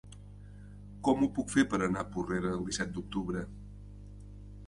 Com ho puc fer per anar a Porrera el disset d'octubre?